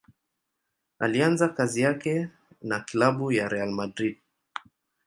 Alianza kazi yake na klabu ya Real Madrid.